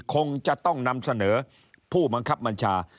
คงจะต้องนำเสนอผู้บังคับบัญชา